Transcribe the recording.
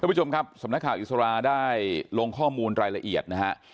ผู้ชมครับสำนักข่าวอิสราได้ลงข้อมูลรายละเอียดนะฮะ